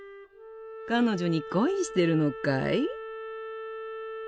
彼女に恋してるのかい？